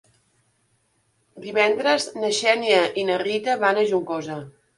Divendres na Xènia i na Rita van a Juncosa.